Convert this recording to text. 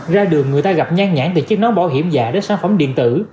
ra đường người ta gặp nhang nhãn từ chiếc nón bảo hiểm già đến sản phẩm điện tử